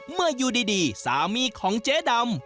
เมื่ออยู่ดีสามีของเจ๊ดำ